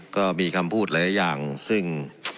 ก็มีคำพูดหลายอย่างซึ่ง